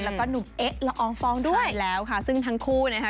แล้วก็หนุ่มเอ๊ะละอองฟองด้วยแล้วค่ะซึ่งทั้งคู่นะคะ